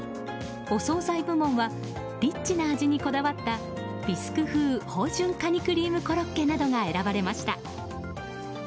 お総菜部門はリッチな味にこだわったビスク風芳醇カニクリームコロッケなどが選ばれました。